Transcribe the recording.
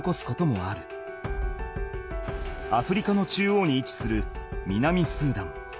アフリカの中央にいちする南スーダン。